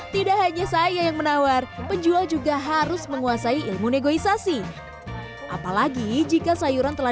tidak hanya saya yang menawar penjual juga harus menguasai ilmu negosiasi apalagi jika sayuran telah